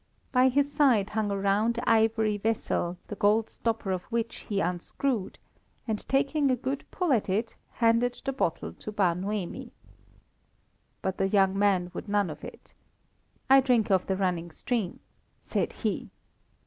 By his side hung a round ivory vessel the gold stopper of which he unscrewed, and taking a good pull at it, handed the bottle to Bar Noemi. But the young man would none of it. "I drink of the running stream," said he.